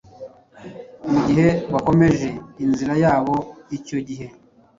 Mugihe bakomeje inzira yabo icyo gihe